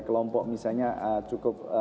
kelompok misalnya cukup